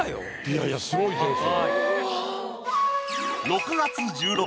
いやいやすごい点数。